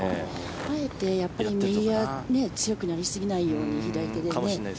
あえて右が強くなりすぎないように左手で。